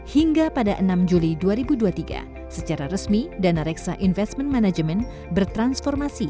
hingga pada enam juli dua ribu dua puluh tiga secara resmi dana reksa investment management bertransformasi